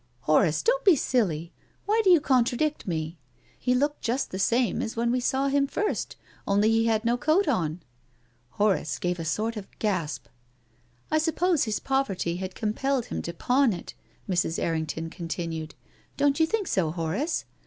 " Horace, don't be silly ! Why do you contra dict me? He looked just the same as when we saw him first, only he had no coat on." Horace gave a sort of gasp. " I suppose his poverty had compelled him to pawn it," Mrs. Errington continued. " Don't you think so, Horace?